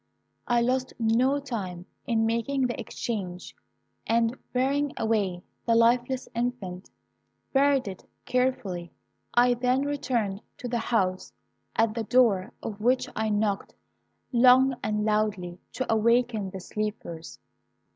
I lost no time in making the exchange, and bearing away the lifeless infant, buried it carefully. I then returned to the house, at the door of which I knocked long and loudly, to awaken the sleepers.